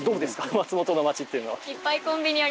松本の町っていうのは。